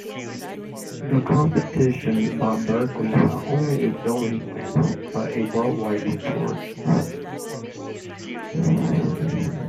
The competition brought Berkeley not only a building plan but worldwide notoriety.